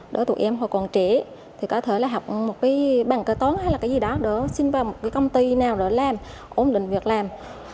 để tụi em hồi còn trễ thì có thể là học một cái bằng cơ tốn hay là cái gì đó để sinh vào một cái công ty nào để làm ổn định việc làm